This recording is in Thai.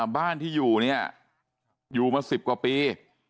บ้านที่อยู่เนี่ยอยู่มา๑๐กว่าปี